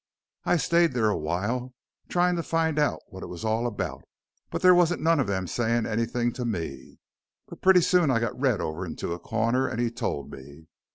I stayed there a while, tryin' to find out what it was all about, but there wasn't none of them sayin' anything to me. But pretty soon I got Red over into a corner an' he told me.